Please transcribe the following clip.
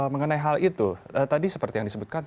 mengenai hal itu tadi seperti yang disebutkan